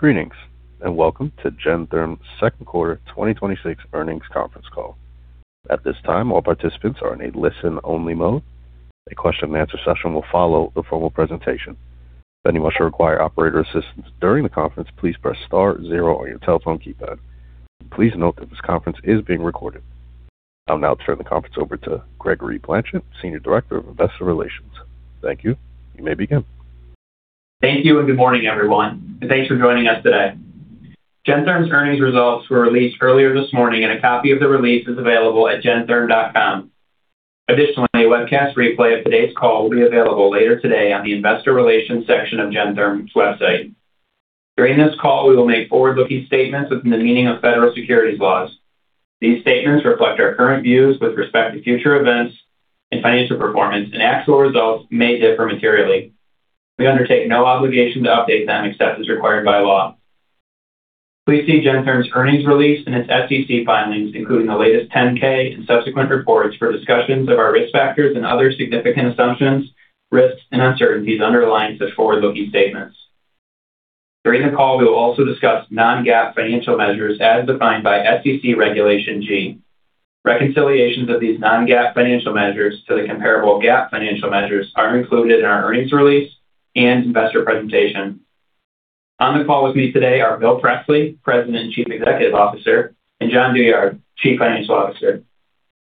Greetings, welcome to Gentherm's second quarter 2026 earnings conference call. At this time, all participants are in a listen-only mode. A question-and-answer session will follow the formal presentation. If any of you require operator assistance during the conference, please press star zero on your telephone keypad. Please note that this conference is being recorded. I'll now turn the conference over to Gregory Blanchette, Senior Director of Investor Relations. Thank you. You may begin. Thank you, good morning, everyone, thanks for joining us today. Gentherm's earnings results were released earlier this morning, a copy of the release is available at gentherm.com. Additionally, a webcast replay of today's call will be available later today on the investor relations section of Gentherm's website. During this call, we will make forward-looking statements within the meaning of federal securities laws. These statements reflect our current views with respect to future events and financial performance, actual results may differ materially. We undertake no obligation to update them except as required by law. Please see Gentherm's earnings release and its SEC filings, including the latest 10-K and subsequent reports for discussions of our risk factors and other significant assumptions, risks, and uncertainties underlying such forward-looking statements. During the call, we will also discuss non-GAAP financial measures as defined by SEC Regulation G. Reconciliations of these non-GAAP financial measures to the comparable GAAP financial measures are included in our earnings release and investor presentation. On the call with me today are Bill Presley, President and Chief Executive Officer, Jon Douyard, Chief Financial Officer.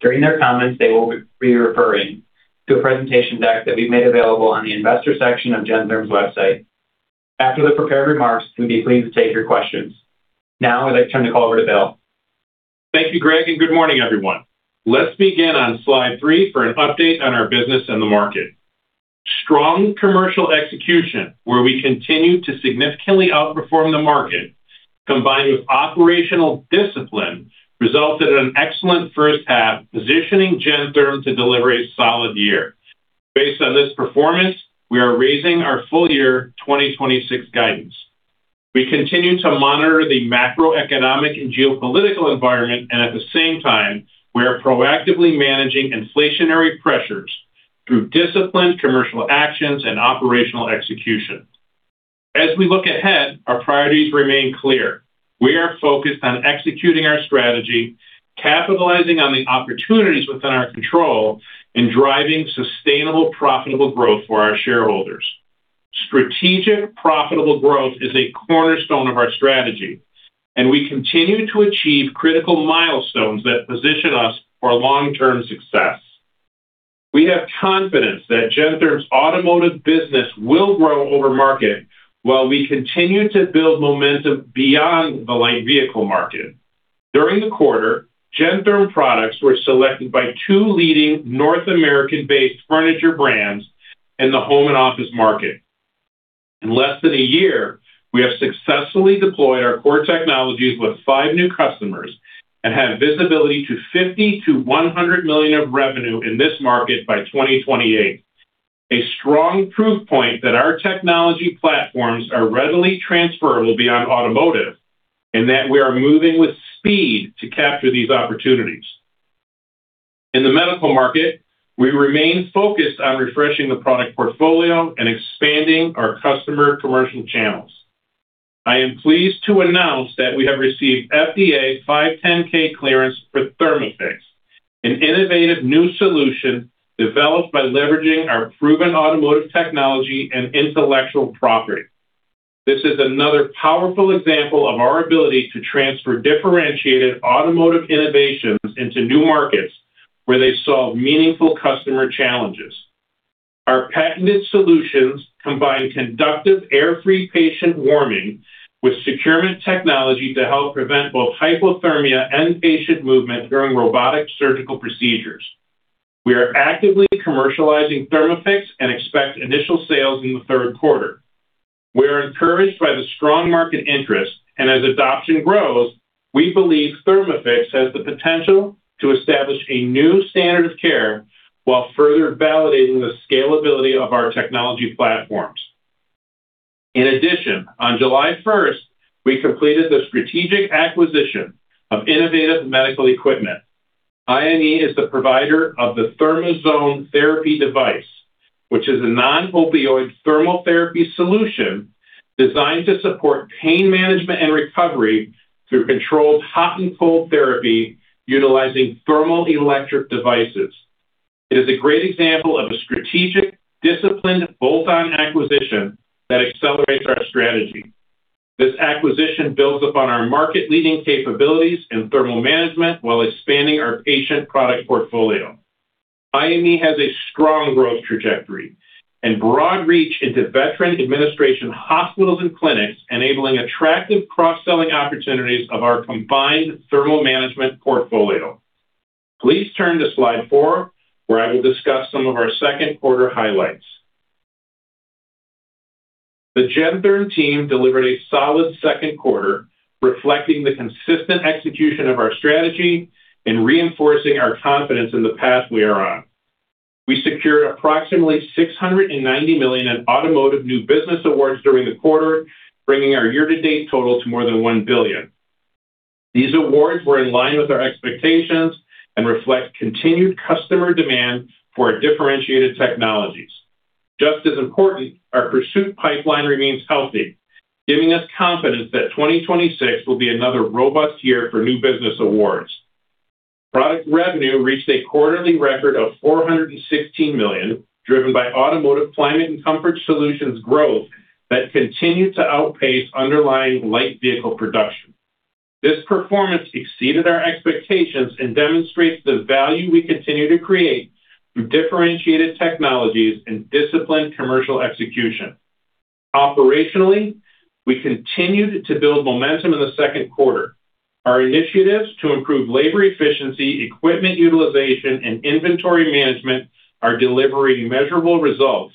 During their comments, they will be referring to a presentation deck that we've made available on the investor section of Gentherm's website. After the prepared remarks, we'd be pleased to take your questions. I'd like to turn the call over to Bill. Thank you, Greg, good morning, everyone. Let's begin on slide three for an update on our business and the market. Strong commercial execution, where we continue to significantly outperform the market, combined with operational discipline, resulted in an excellent first half, positioning Gentherm to deliver a solid year. Based on this performance, we are raising our full-year 2026 guidance. We continue to monitor the macroeconomic and geopolitical environment, at the same time, we are proactively managing inflationary pressures through disciplined commercial actions and operational execution. As we look ahead, our priorities remain clear. We are focused on executing our strategy, capitalizing on the opportunities within our control, driving sustainable, profitable growth for our shareholders. Strategic profitable growth is a cornerstone of our strategy, we continue to achieve critical milestones that position us for long-term success. We have confidence that Gentherm's automotive business will grow over market while we continue to build momentum beyond the light vehicle market. During the quarter, Gentherm products were selected by two leading North American-based furniture brands in the home and office market. In less than a year, we have successfully deployed our core technologies with five new customers and have visibility to $50 million-$100 million of revenue in this market by 2028. A strong proof point that our technology platforms are readily transferable beyond automotive, and that we are moving with speed to capture these opportunities. In the medical market, we remain focused on refreshing the product portfolio and expanding our customer commercial channels. I am pleased to announce that we have received FDA 510(k) clearance for ThermAffyx, an innovative new solution developed by leveraging our proven automotive technology and intellectual property. This is another powerful example of our ability to transfer differentiated automotive innovations into new markets where they solve meaningful customer challenges. Our patented solutions combine conductive air-free patient warming with securement technology to help prevent both hypothermia and patient movement during robotic surgical procedures. We are actively commercializing ThermAffyx and expect initial sales in the third quarter. As adoption grows, we believe ThermAffyx has the potential to establish a new standard of care while further validating the scalability of our technology platforms. On July 1st, we completed the strategic acquisition of Innovative Medical Equipment. INE is the provider of the ThermaZone Therapy device, which is a non-opioid thermal therapy solution designed to support pain management and recovery through controlled hot and cold therapy utilizing thermal electric devices. It is a great example of a strategic, disciplined, bolt-on acquisition that accelerates our strategy. This acquisition builds upon our market-leading capabilities in thermal management while expanding our patient product portfolio. INE has a strong growth trajectory and broad reach into Veterans Administration hospitals and clinics, enabling attractive cross-selling opportunities of our combined thermal management portfolio. Please turn to slide four, where I will discuss some of our second quarter highlights. The Gentherm team delivered a solid second quarter, reflecting the consistent execution of our strategy and reinforcing our confidence in the path we are on. We secured approximately $690 million in automotive new business awards during the quarter, bringing our year-to-date total to more than $1 billion. These awards were in line with our expectations and reflect continued customer demand for our differentiated technologies. Just as important, our pursuit pipeline remains healthy, giving us confidence that 2026 will be another robust year for new business awards. Product revenue reached a quarterly record of $416 million, driven by Automotive Climate and Comfort Solutions growth that continued to outpace underlying light vehicle production. This performance exceeded our expectations and demonstrates the value we continue to create through differentiated technologies and disciplined commercial execution. Operationally, we continued to build momentum in the second quarter. Our initiatives to improve labor efficiency, equipment utilization, and inventory management are delivering measurable results,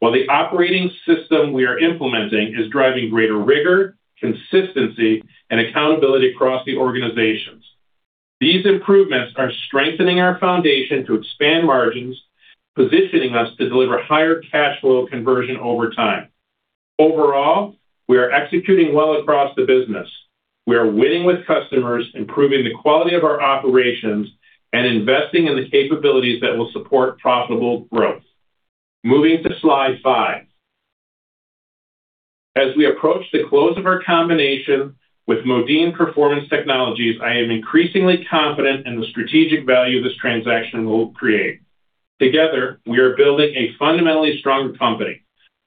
while the operating system we are implementing is driving greater rigor, consistency, and accountability across the organizations. These improvements are strengthening our foundation to expand margins, positioning us to deliver higher cash flow conversion over time. Overall, we are executing well across the business. We are winning with customers, improving the quality of our operations, and investing in the capabilities that will support profitable growth. Moving to slide five. As we approach the close of our combination with Modine Performance Technologies, I am increasingly confident in the strategic value this transaction will create. Together, we are building a fundamentally stronger company,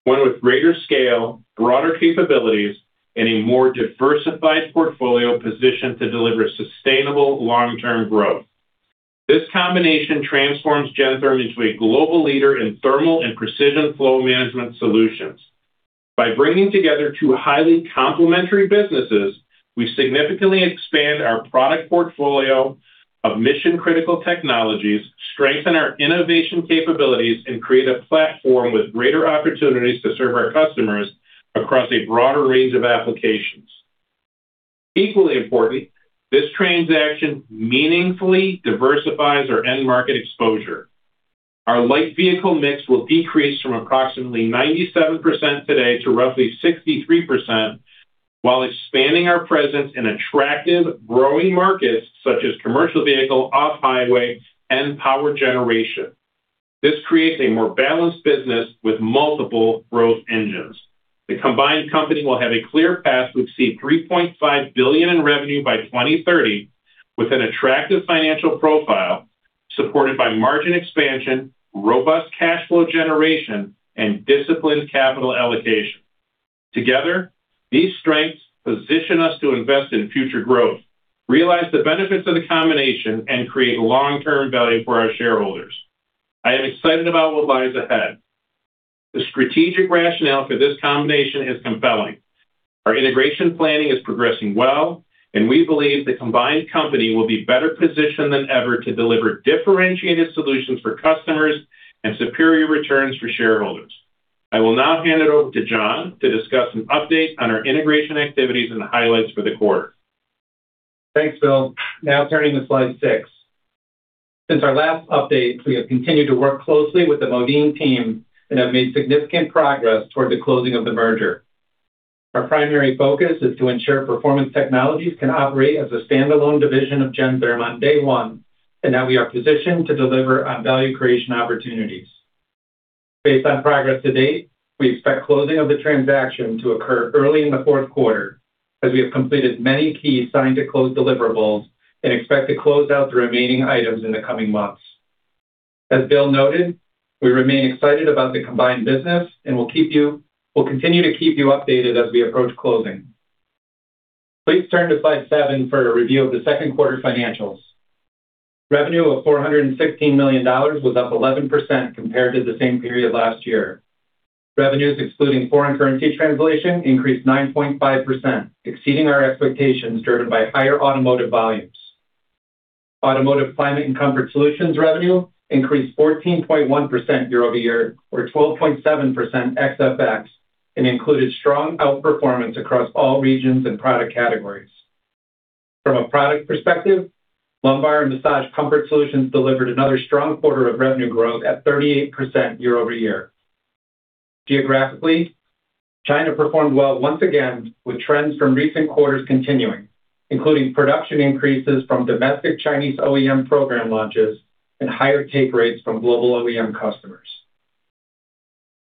one with greater scale, broader capabilities, and a more diversified portfolio positioned to deliver sustainable long-term growth. This combination transforms Gentherm into a global leader in thermal and precision flow management solutions. By bringing together two highly complementary businesses, we significantly expand our product portfolio of mission-critical technologies, strengthen our innovation capabilities, and create a platform with greater opportunities to serve our customers across a broader range of applications. Equally important, this transaction meaningfully diversifies our end market exposure. Our light vehicle mix will decrease from approximately 97% today to roughly 63% while expanding our presence in attractive growing markets such as commercial vehicle, off-highway, and power generation. This creates a more balanced business with multiple growth engines. The combined company will have a clear path to exceed $3.5 billion in revenue by 2030 with an attractive financial profile supported by margin expansion, robust cash flow generation, and disciplined capital allocation. Together, these strengths position us to invest in future growth, realize the benefits of the combination, and create long-term value for our shareholders. I am excited about what lies ahead. The strategic rationale for this combination is compelling. Our integration planning is progressing well, and we believe the combined company will be better positioned than ever to deliver differentiated solutions for customers and superior returns for shareholders. I will now hand it over to Jon to discuss an update on our integration activities and highlights for the quarter. Thanks, Bill. Now turning to slide six. Since our last update, we have continued to work closely with the Modine team and have made significant progress toward the closing of the merger. Our primary focus is to ensure Performance Technologies can operate as a standalone division of Gentherm on day one, and that we are positioned to deliver on value creation opportunities. Based on progress to date, we expect closing of the transaction to occur early in the fourth quarter, as we have completed many key sign-to-close deliverables and expect to close out the remaining items in the coming months. As Bill noted, we remain excited about the combined business, and we'll continue to keep you updated as we approach closing. Please turn to slide seven for a review of the second quarter financials. Revenue of $416 million was up 11% compared to the same period last year. Revenues excluding foreign currency translation increased 9.5%, exceeding our expectations, driven by higher automotive volumes. Automotive Climate and Comfort Solutions revenue increased 14.1% year-over-year, or 12.7% ex FX, and included strong outperformance across all regions and product categories. From a product perspective, Lumbar and Massage Comfort Solutions delivered another strong quarter of revenue growth at 38% year-over-year. Geographically, China performed well once again with trends from recent quarters continuing, including production increases from domestic Chinese OEM program launches and higher take rates from global OEM customers.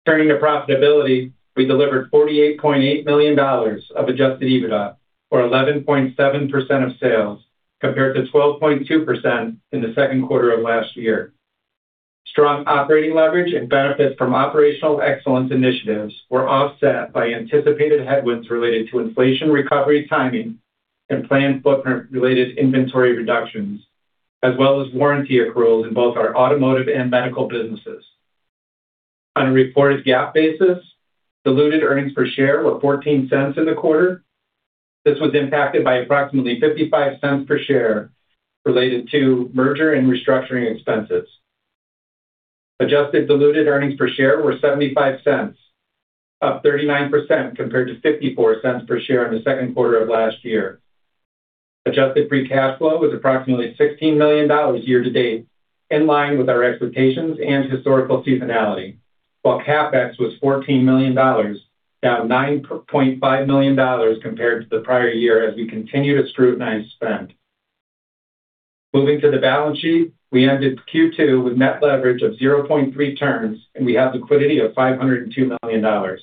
Turning to profitability, we delivered $48.8 million of adjusted EBITDA, or 11.7% of sales, compared to 12.2% in the second quarter of last year. Strong operating leverage and benefits from operational excellence initiatives were offset by anticipated headwinds related to inflation recovery timing and planned footprint-related inventory reductions, as well as warranty accruals in both our automotive and medical businesses. On a reported GAAP basis, diluted earnings per share were $0.14 in the quarter. This was impacted by approximately $0.55 per share related to merger and restructuring expenses. Adjusted diluted earnings per share were $0.75, up 39% compared to $0.54 per share in the second quarter of last year. Adjusted free cash flow was approximately $16 million year-to-date, in line with our expectations and historical seasonality, while CapEx was $14 million. Down $9.5 million compared to the prior year as we continue to scrutinize spend. Moving to the balance sheet, we ended Q2 with net leverage of 0.3 turns, and we have liquidity of $502 million.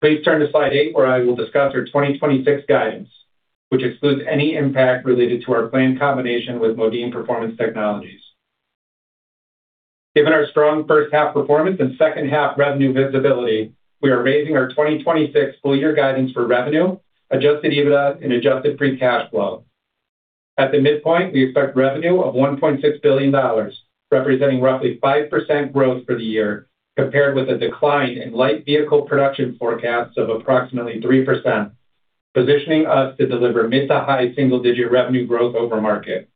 Please turn to slide eight where I will discuss our 2026 guidance, which excludes any impact related to our planned combination with Modine Performance Technologies. Given our strong first half performance and second half revenue visibility, we are raising our 2026 full-year guidance for revenue, adjusted EBITDA, and adjusted free cash flow. At the midpoint, we expect revenue of $1.6 billion, representing roughly 5% growth for the year compared with a decline in light vehicle production forecasts of approximately 3%, positioning us to deliver mid to high single-digit revenue growth over market.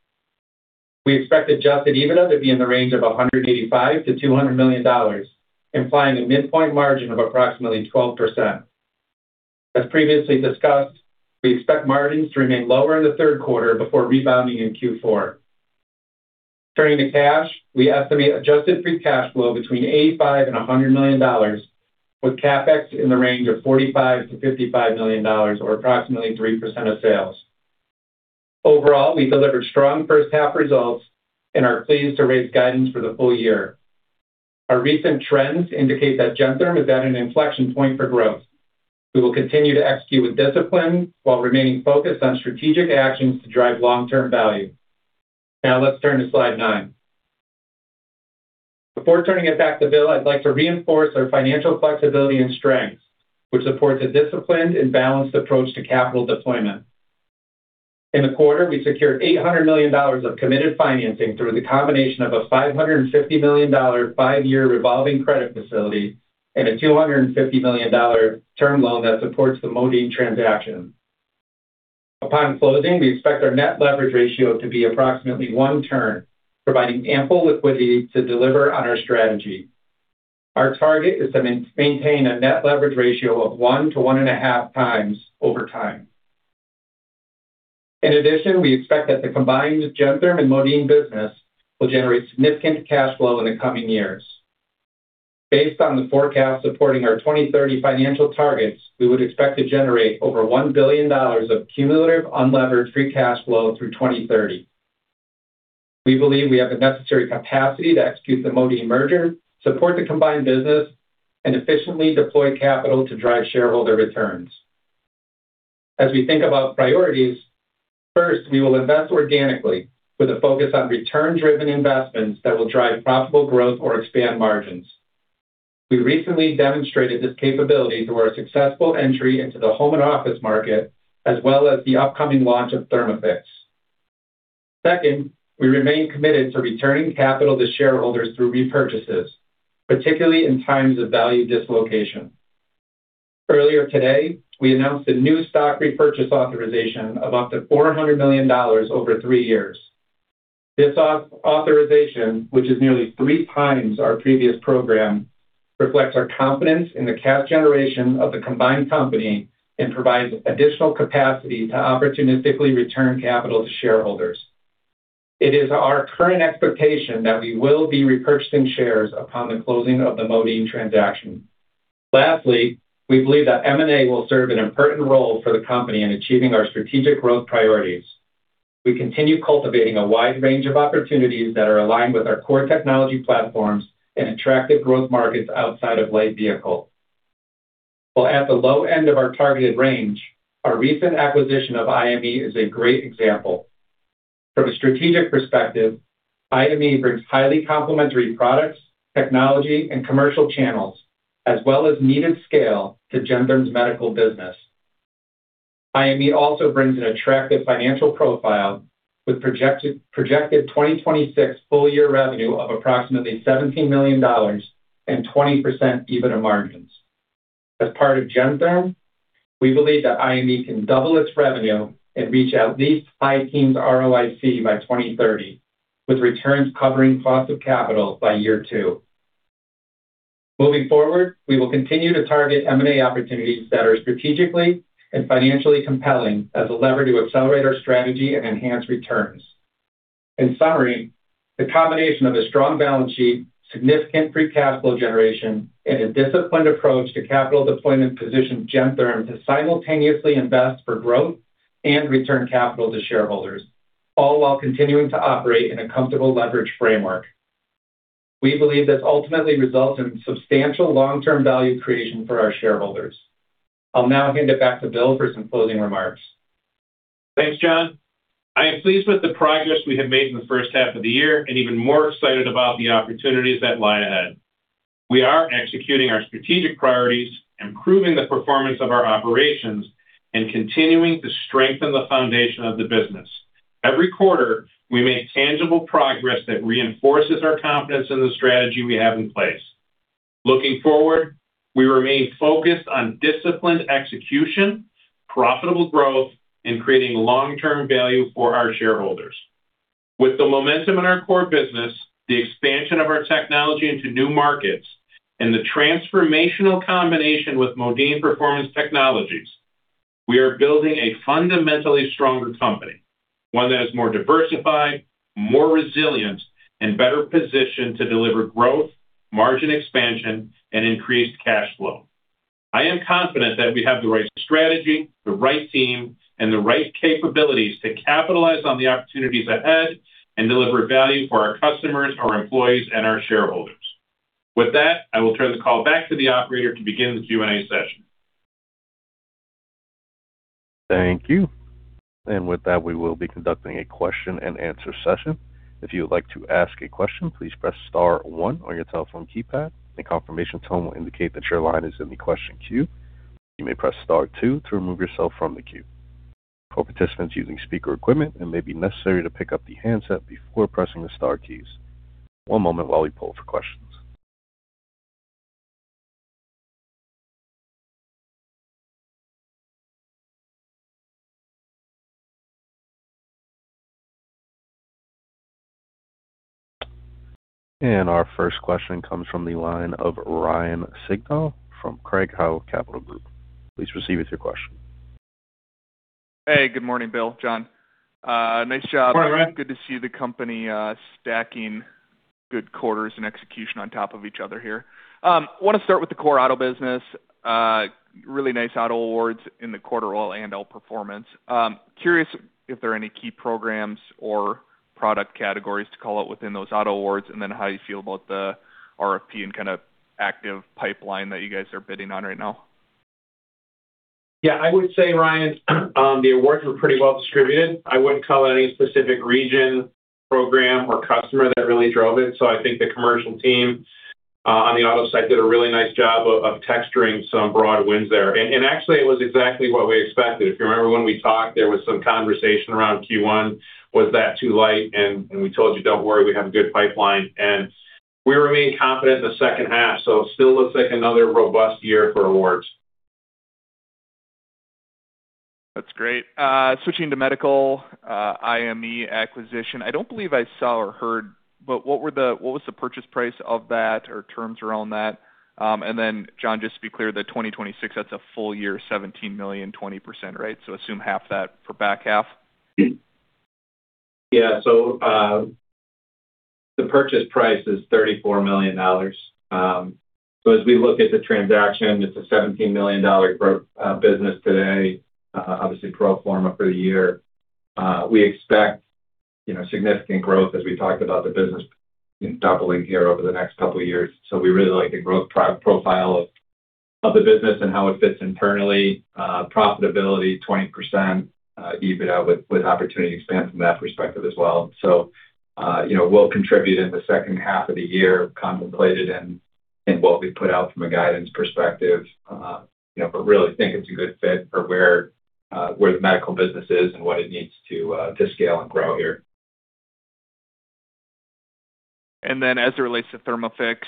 We expect adjusted EBITDA to be in the range of $185 million-$200 million, implying a midpoint margin of approximately 12%. As previously discussed, we expect margins to remain lower in the third quarter before rebounding in Q4. Turning to cash, we estimate adjusted free cash flow between $85 million and $100 million with CapEx in the range of $45 million-$55 million, or approximately 3% of sales. Overall, we delivered strong first half results and are pleased to raise guidance for the full-year. Our recent trends indicate that Gentherm is at an inflection point for growth. We will continue to execute with discipline while remaining focused on strategic actions to drive long-term value. Now let's turn to slide nine. Before turning it back to Bill, I'd like to reinforce our financial flexibility and strength, which supports a disciplined and balanced approach to capital deployment. In the quarter, we secured $800 million of committed financing through the combination of a $550 million five-year revolving credit facility and a $250 million term loan that supports the Modine transaction. Upon closing, we expect our net leverage ratio to be approximately one turn, providing ample liquidity to deliver on our strategy. Our target is to maintain a net leverage ratio of one to one and a half times over time. In addition, we expect that the combined Gentherm and Modine business will generate significant cash flow in the coming years. Based on the forecast supporting our 2030 financial targets, we would expect to generate over $1 billion of cumulative unlevered free cash flow through 2030. We believe we have the necessary capacity to execute the Modine merger, support the combined business, and efficiently deploy capital to drive shareholder returns. As we think about priorities, first, we will invest organically with a focus on return-driven investments that will drive profitable growth or expand margins. Second, we remain committed to returning capital to shareholders through repurchases, particularly in times of value dislocation. Earlier today, we announced a new stock repurchase authorization of up to $400 million over three years. This authorization, which is nearly three times our previous program, reflects our confidence in the cash generation of the combined company and provides additional capacity to opportunistically return capital to shareholders. It is our current expectation that we will be repurchasing shares upon the closing of the Modine transaction. Lastly, we believe that M&A will serve an important role for the company in achieving our strategic growth priorities. We continue cultivating a wide range of opportunities that are aligned with our core technology platforms and attractive growth markets outside of light vehicles. While at the low end of our targeted range, our recent acquisition of IME is a great example. From a strategic perspective, IME brings highly complementary products, technology, and commercial channels, as well as needed scale to Gentherm's medical business. IME also brings an attractive financial profile with projected 2026 full-year revenue of approximately $17 million and 20% EBITDA margins. As part of Gentherm, we believe that IME can double its revenue and reach at least high teens ROIC by 2030, with returns covering cost of capital by year two. Moving forward, we will continue to target M&A opportunities that are strategically and financially compelling as a lever to accelerate our strategy and enhance returns. In summary, the combination of a strong balance sheet, significant free cash flow generation, and a disciplined approach to capital deployment positions Gentherm to simultaneously invest for growth and return capital to shareholders, all while continuing to operate in a comfortable leverage framework. We believe this ultimately results in substantial long-term value creation for our shareholders. I'll now hand it back to Bill for some closing remarks. Thanks, Jon. I am pleased with the progress we have made in the first half of the year and even more excited about the opportunities that lie ahead. We are executing our strategic priorities, improving the performance of our operations, and continuing to strengthen the foundation of the business. Every quarter, we make tangible progress that reinforces our confidence in the strategy we have in place. Looking forward, we remain focused on disciplined execution, profitable growth, and creating long-term value for our shareholders. With the momentum in our core business, the expansion of our technology into new markets, and the transformational combination with Modine Performance Technologies. We are building a fundamentally stronger company, one that is more diversified, more resilient, and better positioned to deliver growth, margin expansion, and increased cash flow. I am confident that we have the right strategy, the right team, and the right capabilities to capitalize on the opportunities ahead and deliver value for our customers, our employees, and our shareholders. With that, I will turn the call back to the operator to begin the Q&A session. Thank you. With that, we will be conducting a question-and-answer session. If you would like to ask a question, please press star one on your telephone keypad. A confirmation tone will indicate that your line is in the question queue. You may press star two to remove yourself from the queue. For participants using speaker equipment, it may be necessary to pick up the handset before pressing the star keys. One moment while we poll for questions. Our first question comes from the line of Ryan Sigdahl from Craig-Hallum Capital Group. Please proceed with your question. Hey, good morning, Bill, Jon. Nice job. Morning, Ryan. Good to see the company stacking good quarters and execution on top of each other here. Want to start with the core auto business. Really nice auto awards in the quarter, all-in outperformance. Curious if there are any key programs or product categories to call out within those auto awards, then how you feel about the RFP and kind of active pipeline that you guys are bidding on right now. Yeah, I would say, Ryan, the awards were pretty well distributed. I wouldn't call out any specific region, program, or customer that really drove it. I think the commercial team on the auto side did a really nice job of texturing some broad wins there. Actually, it was exactly what we expected. If you remember when we talked, there was some conversation around Q1. Was that too light? We told you, "Don't worry, we have a good pipeline." We remain confident in the second half, still looks like another robust year for awards. That's great. Switching to medical IME acquisition. I don't believe I saw or heard, but what was the purchase price of that or terms around that? Then, Jon, just to be clear, the 2026, that's a full-year, $17 million, 20%, right? Assume half that for back half. Yeah. The purchase price is $34 million. As we look at the transaction, it's a $17 million growth business today, obviously pro forma for the year. We expect significant growth as we talked about the business doubling here over the next couple of years. We really like the growth profile of the business and how it fits internally. Profitability, 20% EBITDA with opportunity to expand from that perspective as well. Will contribute in the second half of the year contemplated and what we put out from a guidance perspective. Really think it's a good fit for where the medical business is and what it needs to scale and grow here. As it relates to ThermAffyx,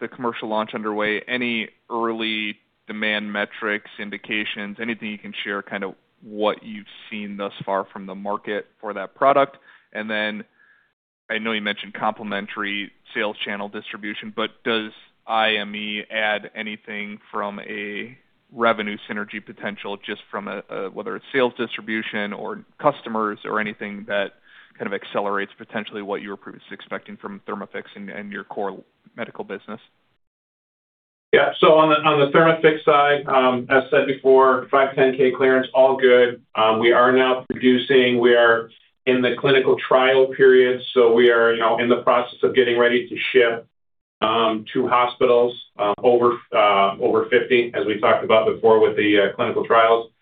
the commercial launch underway, any early demand metrics, indications, anything you can share, kind of what you've seen thus far from the market for that product. I know you mentioned complementary sales channel distribution, but does IME add anything from a revenue synergy potential, just from whether it's sales distribution or customers or anything that kind of accelerates potentially what you were previously expecting from ThermAffyx and your core medical business? Yeah. On the ThermAffyx side, as said before, 510(k) clearance, all good. We are now producing. We are in the clinical trial period. We are in the process of getting ready to ship to hospitals, over 50, as we talked about before with the clinical trials.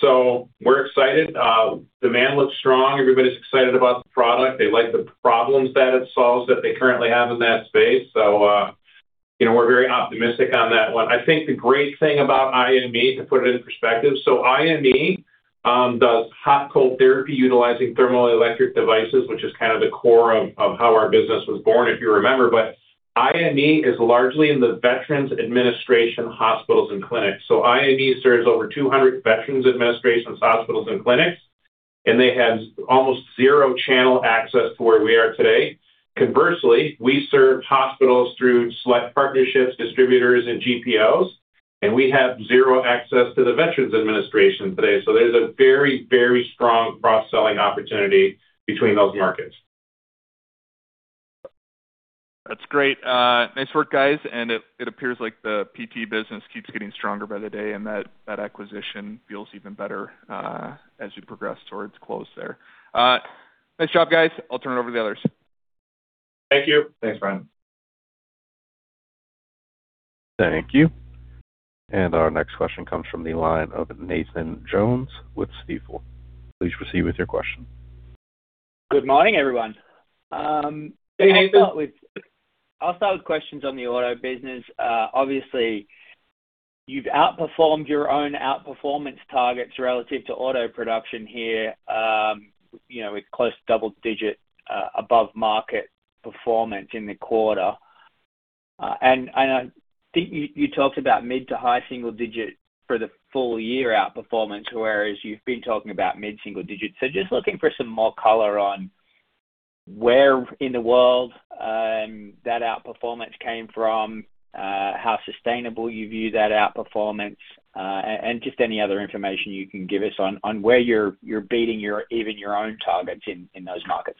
We're excited. Demand looks strong. Everybody's excited about the product. They like the problems that it solves that they currently have in that space. We're very optimistic on that one. I think the great thing about IME, to put it into perspective, IME does hot-cold therapy utilizing thermoelectric devices, which is kind of the core of how our business was born, if you remember. IME is largely in the Veterans Health Administration hospitals and clinics. IME serves over 200 Veterans Health Administration hospitals and clinics, and they had almost zero channel access to where we are today. Conversely, we served hospitals through select partnerships, distributors, and GPOs, and we have zero access to the Veterans Health Administration today. There's a very, very strong cross-selling opportunity between those markets. That's great. Nice work, guys. It appears like the PT business keeps getting stronger by the day, and that acquisition feels even better as you progress towards close there. Nice job, guys. I'll turn it over to the others. Thank you. Thanks, Ryan. Thank you. Our next question comes from the line of Nathan Jones with Stifel. Please proceed with your question. Good morning, everyone. Hey, Nathan. I will start with questions on the auto business. Obviously, you have outperformed your own outperformance targets relative to auto production here, with close to double-digit above-market performance in the quarter. I think you talked about mid- to high-single-digit for the full-year outperformance, whereas you have been talking about mid-single digits. Just looking for some more color on where in the world that outperformance came from, how sustainable you view that outperformance, and just any other information you can give us on where you are beating even your own targets in those markets.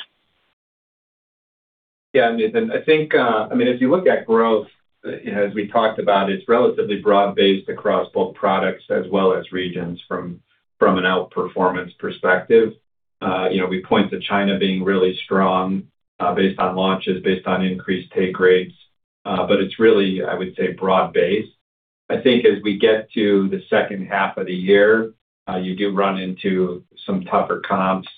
Yeah, Nathan, if you look at growth, as we talked about, it is relatively broad-based across both products as well as regions from an outperformance perspective. We point to China being really strong, based on launches, based on increased take rates. It is really, I would say, broad-based. I think as we get to the second half of the year, you do run into some tougher comps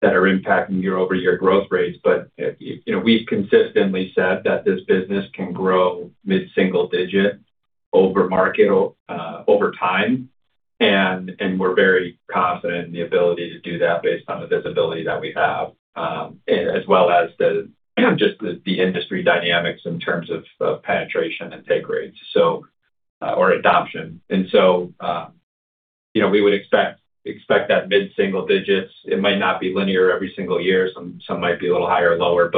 that are impacting year-over-year growth rates. We have consistently said that this business can grow mid-single-digit over market over time, and we are very confident in the ability to do that based on the visibility that we have, as well as just the industry dynamics in terms of penetration and take rates or adoption. We would expect that mid-single digits. It might not be linear every single year. Some might be a little higher or lower,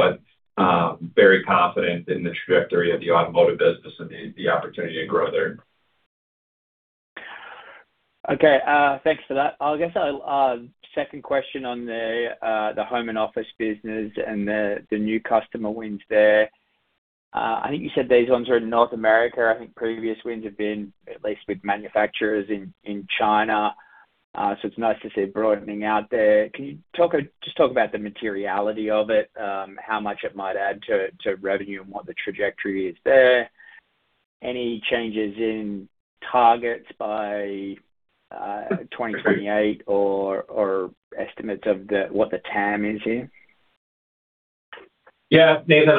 very confident in the trajectory of the automotive business and the opportunity to grow there. Okay, thanks for that. I guess a second question on the home and office business and the new customer wins there. I think you said these ones are in North America. I think previous wins have been at least with manufacturers in China. It's nice to see it broadening out there. Can you just talk about the materiality of it, how much it might add to revenue and what the trajectory is there? Any changes in targets by 2028 or estimates of what the TAM is here? Yeah, Nathan,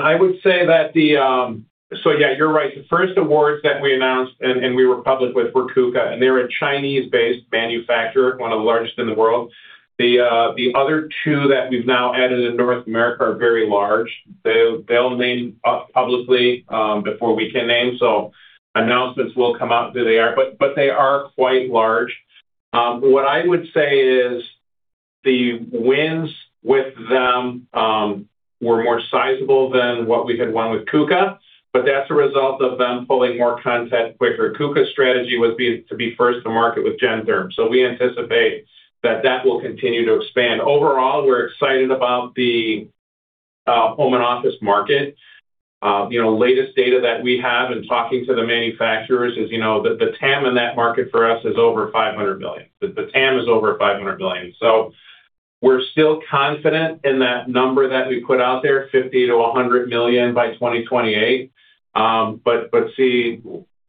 you're right. The first awards that we announced, and we were public with, were KUKA, and they're a Chinese-based manufacturer, one of the largest in the world. The other two that we've now added in North America are very large. They'll name us publicly before we can name, announcements will come out who they are, but they are quite large. What I would say is the wins with them were more sizable than what we had won with KUKA, but that's a result of them pulling more content quicker. KUKA's strategy was to be first to market with Gentherm. We anticipate that that will continue to expand. Overall, we're excited about the home and office market. Latest data that we have in talking to the manufacturers is the TAM in that market for us is over $500 million. The TAM is over $500 million. We're still confident in that number that we put out there, $50 million-$100 million by 2028, but see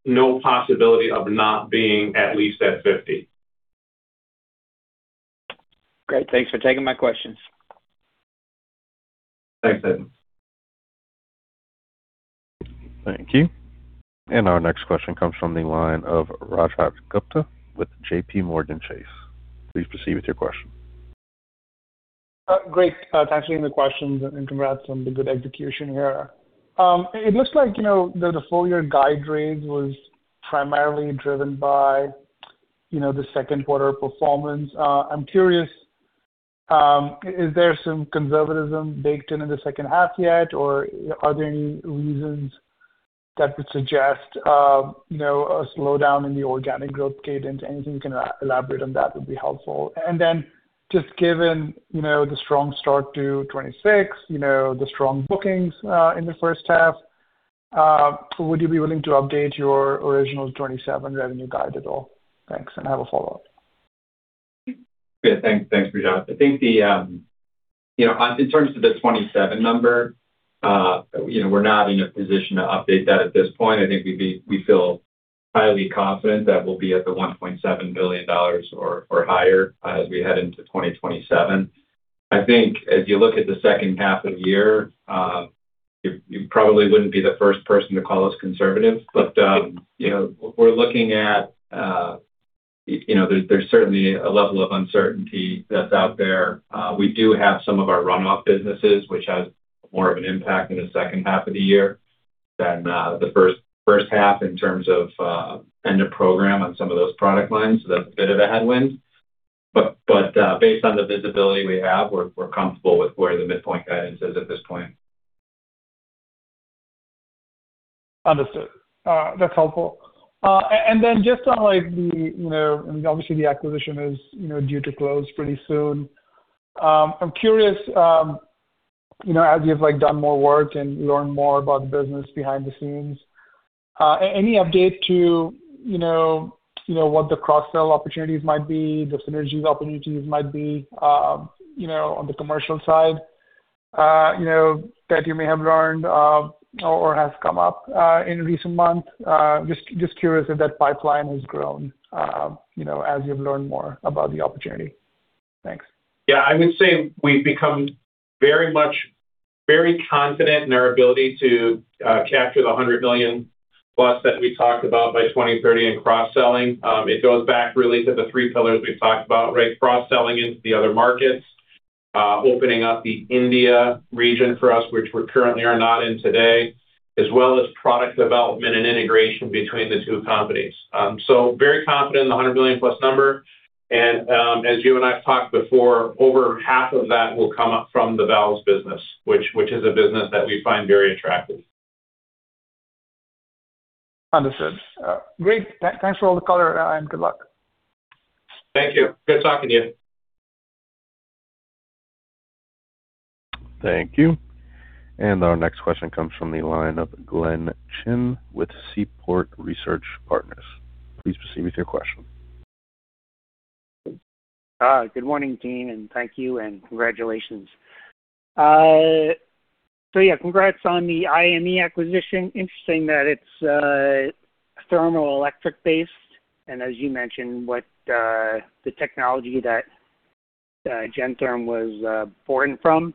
no possibility of not being at least at $50 million. Great. Thanks for taking my questions. Thanks, Nathan. Thank you. Our next question comes from the line of Rajat Gupta with JPMorgan Chase. Please proceed with your question. Great, thanks for taking the questions and congrats on the good execution here. It looks like the full-year guide range was primarily driven by the second quarter performance. I'm curious, is there some conservatism baked in in the second half yet, or are there any reasons that would suggest a slowdown in the organic growth cadence? Anything you can elaborate on that would be helpful. Just given the strong start to 2026, the strong bookings in the first half, would you be willing to update your original 2027 revenue guide at all? Thanks, and I have a follow-up. Thanks, Rajat. In terms of the 2027 number, we are not in a position to update that at this point. I think we feel highly confident that we will be at the $1.7 billion or higher as we head into 2027. I think as you look at the second half of the year, you probably would not be the first person to call us conservative. There is certainly a level of uncertainty that is out there. We do have some of our runoff businesses, which has more of an impact in the second half of the year than the first half in terms of end of program on some of those product lines. That is a bit of a headwind. Based on the visibility we have, we are comfortable with where the midpoint guidance is at this point. Understood. That is helpful. Just on the, obviously the acquisition is due to close pretty soon. I am curious, as you have done more work and learned more about the business behind the scenes, any update to what the cross-sell opportunities might be, the synergies opportunities might be on the commercial side that you may have learned or has come up in recent months? Just curious if that pipeline has grown as you have learned more about the opportunity. Thanks. I would say we have become very confident in our ability to capture the $100 million-plus that we talked about by 2030 in cross-selling. It goes back really to the three pillars we have talked about, right? Cross-selling into the other markets, opening up the India region for us, which we currently are not in today. As well as product development and integration between the two companies. Very confident in the $100 million-plus number. As you and I have talked before, over half of that will come up from the valves business, which is a business that we find very attractive. Understood. Great. Thanks for all the color, and good luck. Thank you. Good talking to you. Thank you. Our next question comes from the line of Glenn Chin with Seaport Research Partners. Please proceed with your question. Good morning, team, thank you, and congratulations. Yeah, congrats on the IME acquisition. Interesting that it's thermoelectric-based, as you mentioned, what the technology that Gentherm was born from.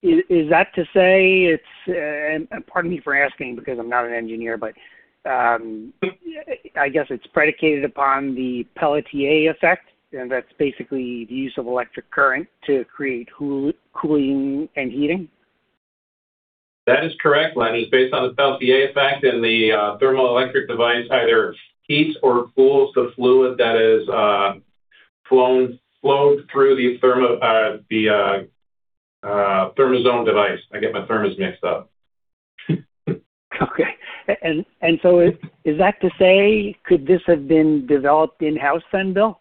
Is that to say pardon me for asking because I'm not an engineer, but I guess it's predicated upon the Peltier Effect, and that's basically the use of electric current to create cooling and heating? That is correct, Glenn. It's based on the Peltier Effect the thermoelectric device either heats or cools the fluid that is flowed through the ThermaZone device. I get my thermos mixed up. Okay. Is that to say, could this have been developed in-house then, Bill?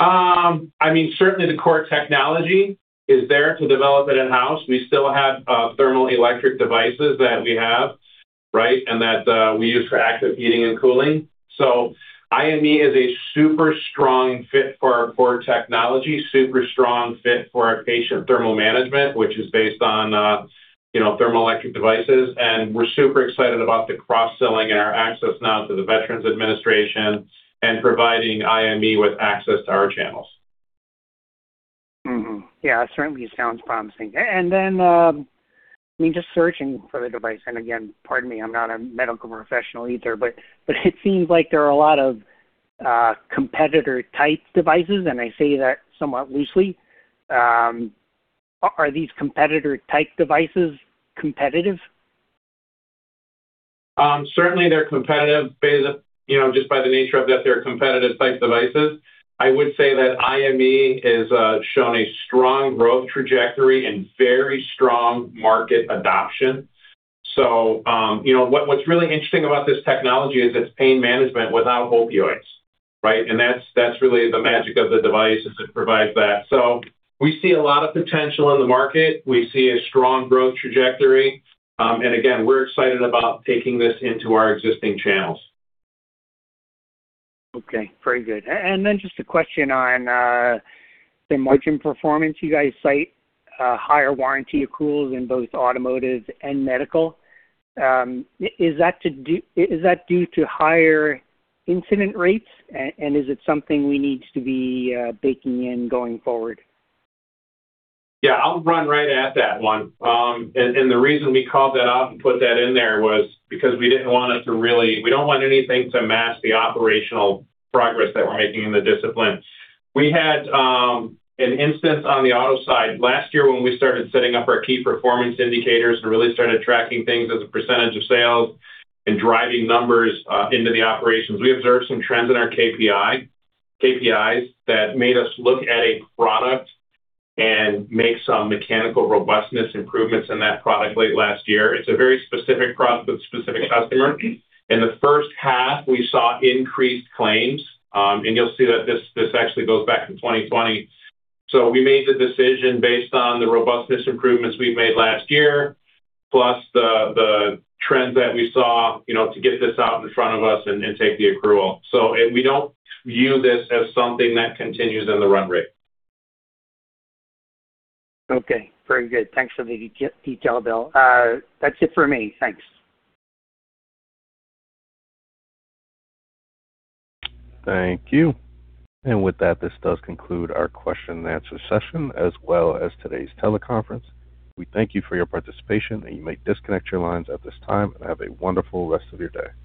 Certainly the core technology is there to develop it in-house. We still have thermoelectric devices that we have, right? That we use for active heating and cooling. IME is a super strong fit for our core technology, super strong fit for our patient thermal management, which is based on thermoelectric devices. We're super excited about the cross-selling and our access now to the Veterans Administration and providing IME with access to our channels. Mm-hmm. Yeah, certainly sounds promising. Just searching for the device, and again, pardon me, I'm not a medical professional either, but it seems like there are a lot of competitor-type devices, and I say that somewhat loosely. Are these competitor-type devices competitive? Certainly, they're competitive just by the nature of that they're competitive-type devices. I would say that IME has shown a strong growth trajectory and very strong market adoption. What's really interesting about this technology is it's pain management without opioids. Right? That's really the magic of the device is it provides that. We see a lot of potential in the market. We see a strong growth trajectory. Again, we're excited about taking this into our existing channels. Okay. Very good. Just a question on the margin performance. You guys cite higher warranty accruals in both automotive and medical. Is that due to higher incident rates, and is it something we need to be baking in going forward? Yeah, I'll run right at that one. The reason we called that out and put that in there was because we don't want anything to mask the operational progress that we're making in the discipline. We had an instance on the auto side last year when we started setting up our key performance indicators and really started tracking things as a percentage of sales and driving numbers into the operations. We observed some trends in our KPIs that made us look at a product and make some mechanical robustness improvements in that product late last year. It's a very specific product with a specific customer. In the first half, we saw increased claims, and you'll see that this actually goes back to 2020. We made the decision based on the robustness improvements we made last year, plus the trends that we saw to get this out in front of us and take the accrual. We don't view this as something that continues in the run rate. Okay. Very good. Thanks for the detail, Bill. That's it for me. Thanks. Thank you. With that, this does conclude our question-and-answer session, as well as today's teleconference. We thank you for your participation. You may disconnect your lines at this time. Have a wonderful rest of your day.